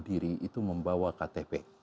diri itu membawa ktp